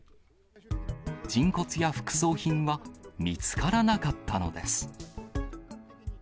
人骨や副葬品は見つからなかったのです。